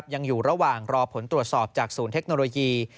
ยังอยู่ระหว่างรอผลตรวจสอบจากศูนย์เทคโนโลยี